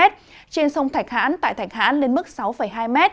trên sông thạch hãn tại thạch hãn lên mức sáu hai m